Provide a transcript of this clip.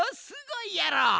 すごいやろ。